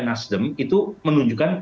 nasdem itu menunjukkan